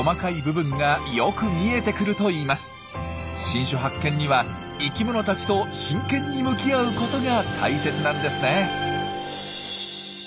新種発見には生きものたちと真剣に向き合うことが大切なんですね。